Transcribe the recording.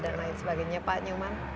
dan lain sebagainya pak nyuman